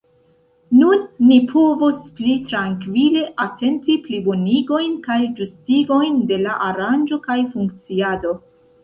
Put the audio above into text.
Nun ni povos pli trankvile atenti plibonigojn kaj ĝustigojn de la aranĝo kaj funkciado.